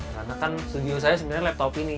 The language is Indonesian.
karena kan studio saya sebenarnya laptop ini